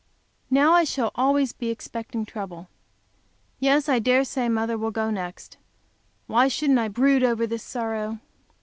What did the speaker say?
Now I shall always be expecting trouble. Yes, I dare say mother will go next. Why shouldn't I brood over this sorrow?